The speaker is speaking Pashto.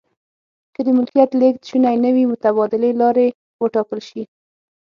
که د ملکیت لیږد شونی نه وي متبادلې لارې و ټاکل شي.